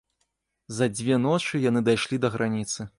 За дзве ночы яны дайшлі да граніцы.